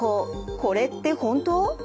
これって本当？